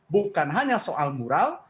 bukan hanya soal moral